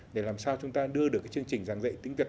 để làm sao chúng ta đưa được cái chương trình giảng dạy tiếng việt